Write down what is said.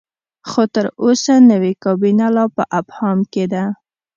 خو تر اوسه نوې کابینه لا په ابهام کې ده.